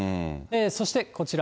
そしてこちら。